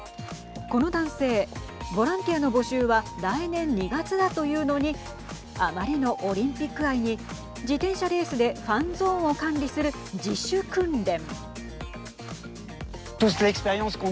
この男性ボランティアの募集は来年２月だというのにあまりのオリンピック愛に自転車レースでファンゾーンを管理する自主訓練。